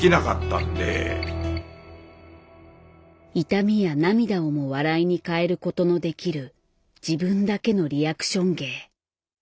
痛みや涙をも笑いに変えることのできる自分だけのリアクション芸。